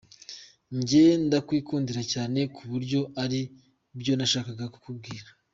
Njye ndakwikundira cyane, ku buryo ari byo nashakaga kukubwira”.